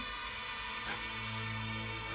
えっ？